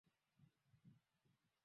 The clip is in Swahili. Yeye akikupenda, wala hatoitoi kasoro.